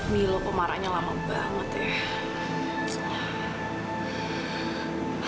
mil lo pemaranya lama banget ya